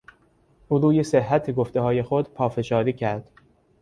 او روی صحت گفتههای خود پافشاری کرد.